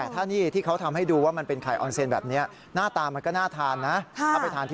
แต่ถ้าไข่ออนเซนต้องแยกใส่ถ้วยเล็ก